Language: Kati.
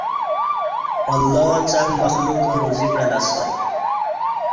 اللہ څݩگ مخلوقہ روزی پعلہ اسہ